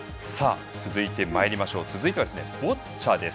続いてはボッチャです。